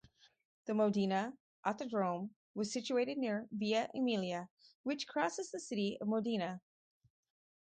The Modena Autodrome was situated near Via Emilia, which crosses the city of Modena.